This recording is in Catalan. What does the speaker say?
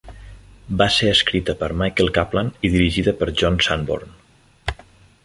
Va ser escrita per Michael Kaplan i dirigida per John Sanborn.